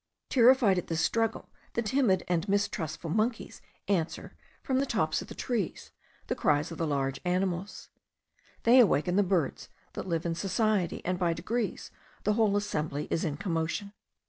Terrified at this struggle, the timid and mistrustful monkeys answer, from the tops of the trees, the cries of the large animals. They awaken the birds that live in society, and by degrees the whole assembly is in commotion.